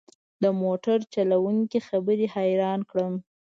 د موټر چلوونکي خبرې حيران کړم.